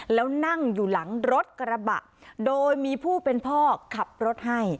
แล้วนั่งอยู่หลังรถกระบะโดยมีผู้เป็นพ่อขับรถให้